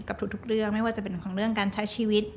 กับทุกเรื่องไม่ว่าจะเป็นของเรื่องการใช้ชีวิต